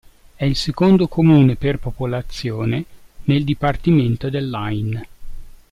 È il secondo comune per popolazione del dipartimento dell'Ain.